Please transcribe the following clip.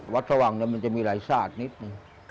วัดสว่างนั้นมันจะมีหลายศาสตร์นิดหนึ่ง